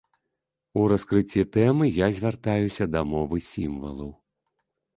У раскрыцці тэмы я звяртаюся да мовы сімвалаў.